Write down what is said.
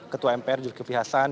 ketua mpr juki fihasan